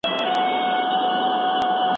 خاموشي د هر چا لپاره بېل مفهوم لري.